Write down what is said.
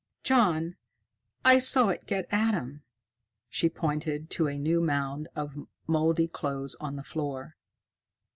"John! I saw it get Adam." She pointed to a new mound of mouldy clothes on the floor.